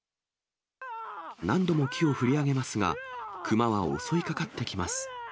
何度も木を振り上げますが、熊は襲いかかってきます。